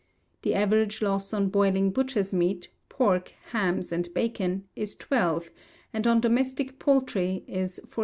The average loss on boiling butcher's meat, pork, hams, and bacon, is 12; and on domestic poultry, is 14 3/4.